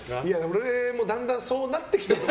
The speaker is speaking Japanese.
俺もだんだんそうなってきてる。